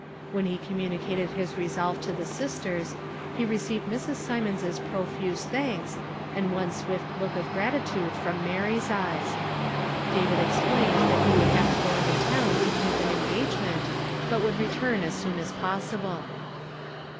When he communicated his resolve to the sisters, he rec(nved Mi s. Symonds's profuse thanks, and one swift look of gratitude from Mary's "GIVE US HELf FROM TROUBLE. i» 267 eyes. David explained that he would have to go into town to keep an engagement, but would re turn as soon as possible.